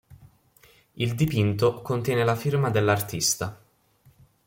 Il dipinto contiene la firma dell'artista.